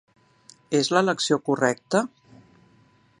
És l'elecció correcta?